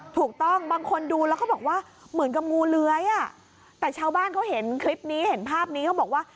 ถูกต้องบางคนดูแล้วก็บอกว่าเหมือนกับงูเลื้อยอ่ะแต่ชาวบ้านเขาเห็นคลิปนี้เห็นภาพนี้เขาบอกว่า